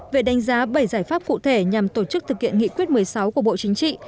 về đánh giá bảy giải pháp cụ thể nhằm tổ chức thực hiện nghị quyết một mươi sáu của bộ chính trị